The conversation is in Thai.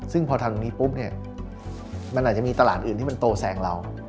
ซึ่งพอทำตรงนี้ปุ๊บเนี่ยมันอาจจะมีตลาดอื่นที่มันโตแสงเรา